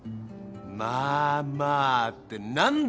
「まあまあ」って何だよ